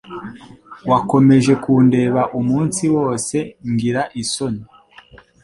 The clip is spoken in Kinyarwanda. Wakomeje kundeba umunsi wose ngira isoni